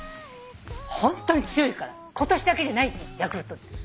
ホントに強いから今年だけじゃないと思うヤクルト。